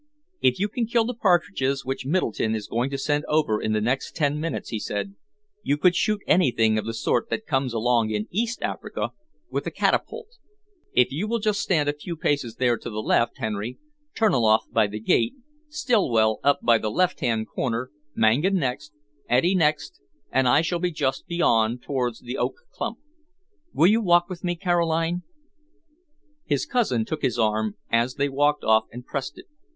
"If you can kill the partridges which Middleton is going to send over in the next ten minutes," he said, "you could shoot anything of the sort that comes along in East Africa, with a catapult. If you will stand just a few paces there to the left, Henry, Terniloff by the gate, Stillwell up by the left hand corner, Mangan next, Eddy next, and I shall be just beyond towards the oak clump. Will you walk with me, Caroline?" His cousin took his arm as they walked off and pressed it.